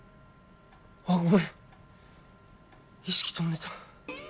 あっごめん意識飛んでた。